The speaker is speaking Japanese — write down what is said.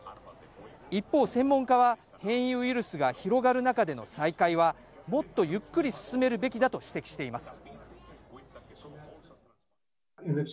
一方、専門家は変異ウイルスが広がる中での再開は、もっとゆっくり進めるべきだと指摘しています。